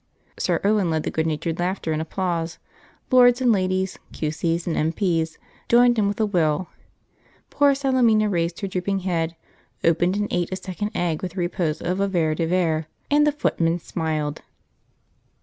Sir Owen led the good natured laughter and applause; lords and ladies, Q.C.'s and M.P.'s joined in with a will; poor Salemina raised her drooping head, opened and ate a second egg with the repose of a Vere de Vere and the footman smiled!